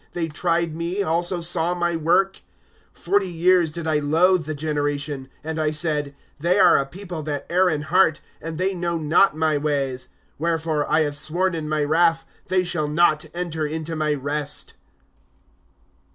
They tried me, also saw my work, ^° Forty years did I loathe the generation ;. And I said: They are a people that err in heart, And they know not my ways ;" Wherefore, I have sworn in my wrath, They shall not enter into my rest.